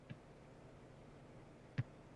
Ammo Trisdalning qulog`iga uning gaplari kirmasdi